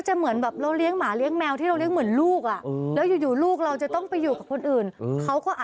เหมือนกับคราวนึงอ่ะ